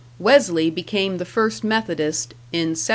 Wesley became the first Methodist in 1728.